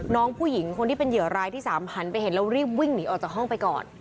น้องผู้หญิงคนที่เป็นเหยื่อรายที่๓หันไปเห็นแล้วรีบวิ่งหนีออกจากห้องไปก่อน